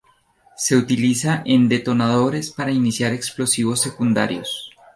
Se utiliza en detonadores para iniciar explosivos secundarios.